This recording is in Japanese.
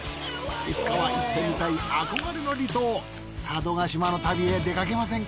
いつかは行ってみたい憧れの離島佐渡島の旅へ出かけませんか？